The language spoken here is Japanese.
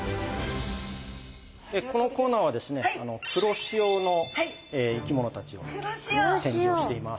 このコーナーはですね黒潮の生き物たちの展示をしています。